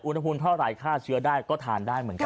อุณหภูมิเท่าไรข้าต์เชื้อได้ก็ทานได้เหมือนกัน